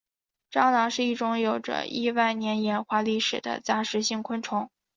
蟑螂是一种有着亿万年演化历史的杂食性昆虫。